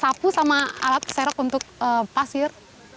sapu sama alat serok untuk pasir